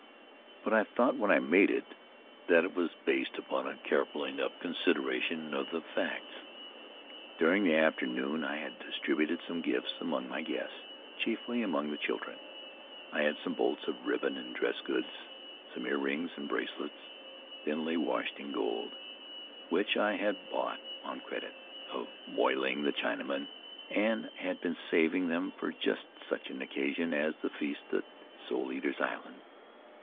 But I thought when I made it that it was based upon a careful enough consideration of the The Starry Threshold facts. During the afternoon I had distributed some gifts among my guests, chiefly among the children. I had some bolts of ribbon and dress goods, some ear rings and bracelets, thinly washed in gold, which I had bought, on credit, of Moy Ling, the Chinaman, and I had been saving them for just such an occasion as the feast at Soul Eaters' Island.